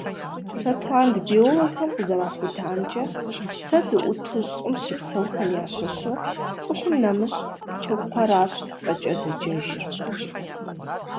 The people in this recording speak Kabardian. Шотланд биологхэм къызэрахутамкӏэ, псэ зыӏуту Щӏым щыпсэухэм ящыщу цӏыхум нэмыщӏ хыкхъуэращ цӏэкӏэ зэджэжыр.